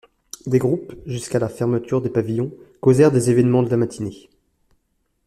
Des groupes, jusqu’à la fermeture des pavillons, causèrent des événements de la matinée.